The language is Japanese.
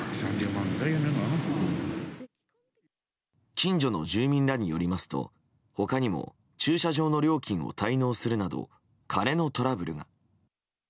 近所の住民らによりますと他にも駐車場の料金も滞納するなど金のトラブルが。